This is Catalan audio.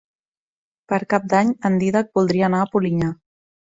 Per Cap d'Any en Dídac voldria anar a Polinyà.